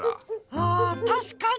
あたしかに。